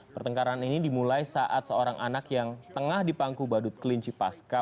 pertengkaran ini dimulai saat seorang anak yang tengah di pangku badut kelinci pasca